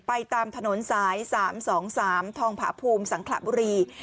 ไปตามถนนสาย๓๒๓ทองผาภูมิสังขระบุรี